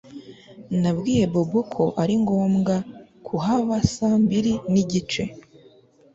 Nabwiye Bobo ko ari ngombwa kuhaba saa mbiri nigice